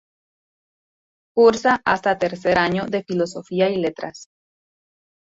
Cursa hasta tercer año de Filosofía y Letras.